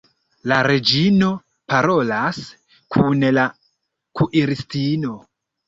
La reĝino parolas kun la kuiristino.